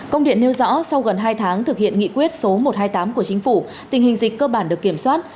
công điện nêu rõ sau gần hai tháng thực hiện nghị quyết số một trăm hai mươi tám của chính phủ tình hình dịch cơ bản được kiểm soát